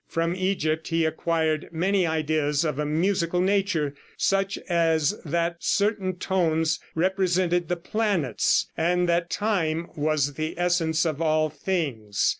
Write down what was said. From Egypt he acquired many ideas of a musical nature, such as that certain tones represented the planets, and that time was the essence of all things.